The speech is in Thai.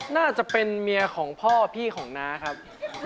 น่าจะเป็นเมียของพ่อพี่ของน้าครับ